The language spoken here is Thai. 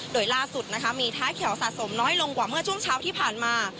โดยล่าสุดนะคะมีท้ายแถวสะสมน้อยลงกว่าเมื่อช่วงเช้าที่ผ่านมา